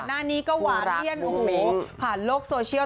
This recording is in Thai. ก่อนหน้านี้ก็หวานเลี่ยนผ่านโลกโซเชียล